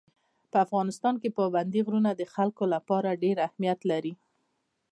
په افغانستان کې پابندي غرونه د خلکو لپاره ډېر اهمیت لري.